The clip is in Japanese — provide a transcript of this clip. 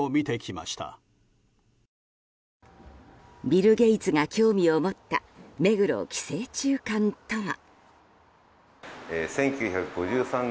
ビル・ゲイツが興味を持った目黒寄生虫館とは。